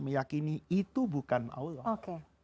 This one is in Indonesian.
meyakini itu bukan allah